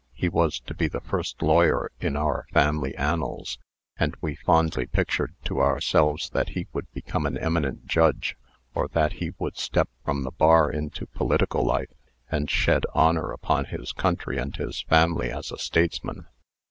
He was to be the first lawyer in our family annals; and we fondly pictured to ourselves that he would become an eminent judge, or that he would step from the bar into political life, and shed honor upon his country and his family as a statesman.